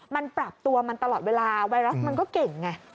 มันปรับตัวมันตลอดเวลาไวรัสมันก็เก่งไง